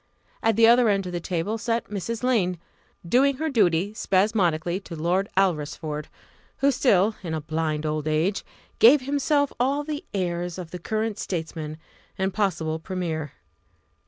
At the other end of the table sat Mrs. Lane, doing her duty spasmodically to Lord Alresford, who still, in a blind old age, gave himself all the airs of the current statesman and possible premier.